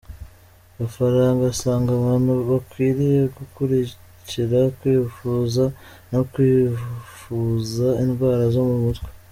Gafaranga asanga abantu bakwiriye guhugukira kuvuza no kwivuza indwara zo mu mutwe.